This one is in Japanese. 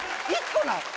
１個なん？